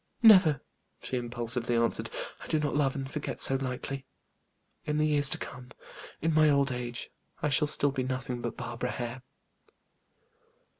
"Never!" she impulsively answered. "I do not love and forget so lightly. In the years to come, in my old age, I shall still be nothing but Barbara Hare."